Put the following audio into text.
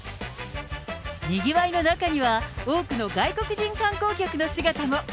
賑わいの中には多くの外国人観光客の姿も。